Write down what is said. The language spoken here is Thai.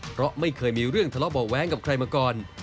เพราะไม่เคยมีเรื่องทะเลาะเบาะแว้งกับใครมาก่อน